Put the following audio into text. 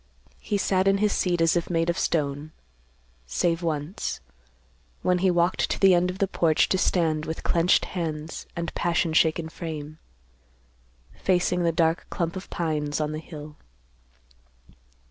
He sat in his seat as if made of stone; save once, when he walked to the end of the porch to stand with clenched hands and passion shaken frame, facing the dark clump of pines on the hill.